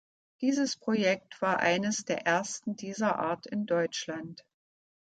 Dieses Projekt war eines der ersten dieser Art in Deutschland.